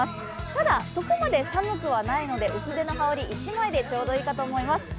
ただ、そこまで寒くはないので薄手の羽織１枚でちょうどいいかと思います。